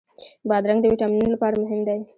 بادرنګ د ویټامینونو لپاره مهم دی.